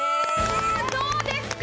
どうですか？